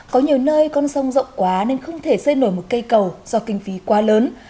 có nhiều nơi con sông rộng quá nên không thể xây nổi một cây cầu do kinh phí quá lớn